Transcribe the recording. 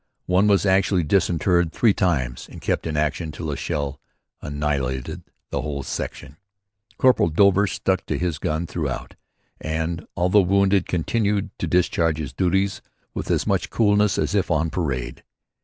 One was actually disinterred three times and kept in action till a shell annihilated the whole section. Corporal Dover stuck to his gun throughout and, although wounded, continued to discharge his duties with as much coolness as if on parade.